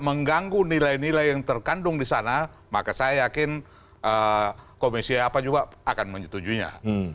mengganggu nilai nilai yang terkandung di sana maka saya yakin komisi apa juga akan menyetujuinya